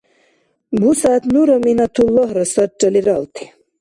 БусягӀят нура Минатуллагьра сарра лералти.